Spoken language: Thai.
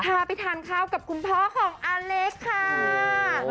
กลับไปทานข้าวกับคุณพ่อของอเล็กค์ค่าาาา